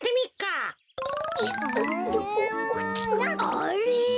あれ？